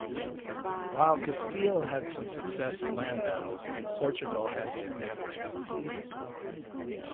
While Castile had some success in land battles, Portugal had the advantage at sea.